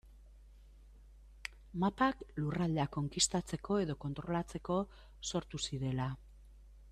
Mapak lurraldeak konkistatzeko edo kontrolatzeko sortu zirela.